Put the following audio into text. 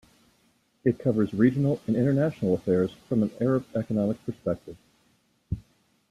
It covers regional and international affairs from an Arab economic perspective.